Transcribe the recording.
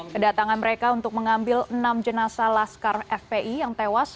kedatangan mereka untuk mengambil enam jenasa laskar fpi yang tewas